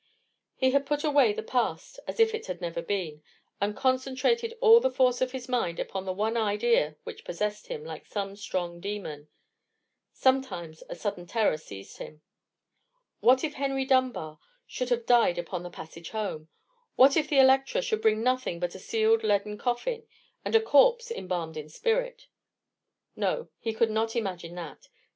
He had put away the past as if it had never been, and concentrated all the force of his mind upon the one idea which possessed him like some strong demon. Sometimes a sudden terror seized him. What if Henry Dunbar should have died upon the passage home? What if the Electra should bring nothing but a sealed leaden coffin, and a corpse embalmed in spirit? No, he could not imagine that!